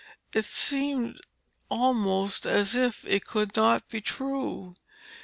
It seemed almost as if it could not be true.